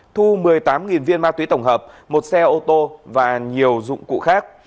thu một mươi tám viên ma túy tổng hợp một xe ô tô và nhiều dụng cụ khác